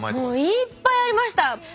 もういっぱいありました。